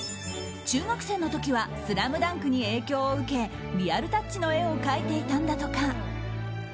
中学生の時は「ＳＬＡＭＤＵＮＫ」に影響を受けリアルタッチの絵を描いていたんだとか。